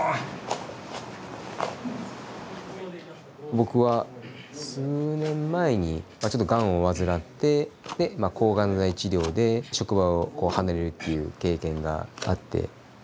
僕は数年前にまあちょっとがんを患って抗がん剤治療で職場を離れるっていう経験があって。